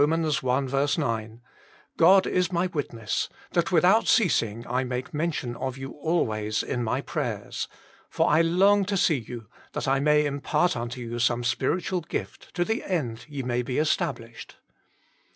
i. 9), " God is my witness, that with out ceasing I make mention of you always in my prayers. For I long to see you, that I may impart unto you some spiritual gift, to the end ye may be established."